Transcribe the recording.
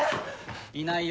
いないよ。